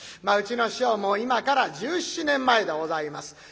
まあうちの師匠も今から１７年前でございます。